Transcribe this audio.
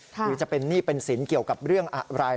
หรือจะเป็นหนี้เป็นสินเกี่ยวกับเรื่องอะไร